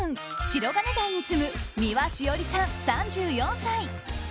白金台に住む三輪詩織さん、３４歳。